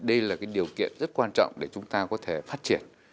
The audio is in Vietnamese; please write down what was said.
đây là điều kiện rất quan trọng để chúng ta có thể phát triển